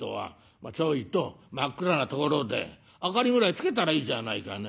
真っ暗なところで明かりぐらいつけたらいいじゃないかね。